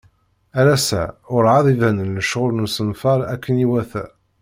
Ar ass-a, urεad i banen lecɣal n usenfar akken iwata.